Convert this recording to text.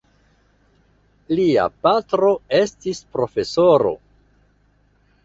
Lia patro estis profesoro.